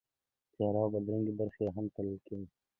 تیاره او بدرنګې برخې یې هم تلل کېږي.